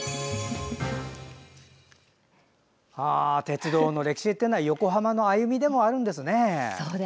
鉄道の歴史というのは横浜の歩みでもあるんですね。